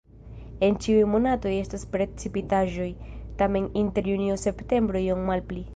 En ĉiuj monatoj estas precipitaĵoj, tamen inter junio-septembro iom malpli.